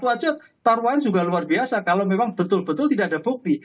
itu aja taruhan juga luar biasa kalau memang betul betul tidak ada bukti